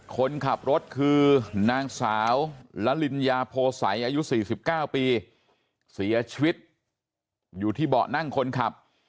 คนขับรถคือนางสาวละลินยาโพสัยอายุ๔๙ปีเสียชีวิตอยู่ที่เบาะนั่งคนขับ